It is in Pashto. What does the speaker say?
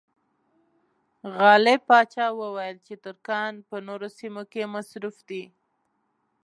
غالب پاشا وویل چې ترکان په نورو سیمو کې مصروف دي.